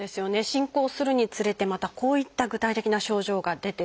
進行するにつれてまたこういった具体的な症状が出てきます。